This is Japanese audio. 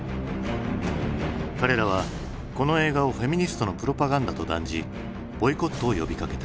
彼らはこの映画をフェミニストのプロパガンダと断じボイコットを呼びかけた。